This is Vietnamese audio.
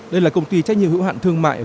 đây là công ty trách nhiệm hữu hạn thương mại